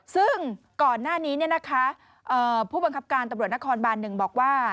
ซึ่งก่อนหน้านี้ผู้บังคับการตำรวจนครบาน๑บอกว่า